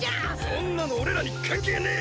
そんなの俺らに関係ねェ！